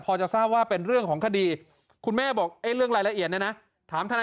พอจะทราบว่าเป็นเรื่องของคดีคุณแม่บอกเรื่องรายละเอียดเนี่ยนะถามทนาย